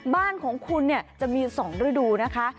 บ้านของคุณจะมี๒ฤดูนะคะ